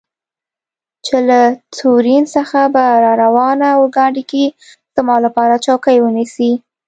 چې له تورین څخه په راروانه اورګاډي کې زما لپاره چوکۍ ونیسي.